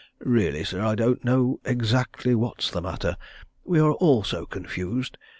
"Really, sir, I don't know exactly what is the matter! We are all so confused!